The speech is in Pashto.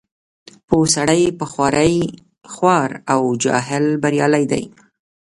پوه سړی په خوارۍ خوار او جاهل بریالی دی.